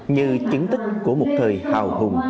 như chiến tích của một thời hào hùng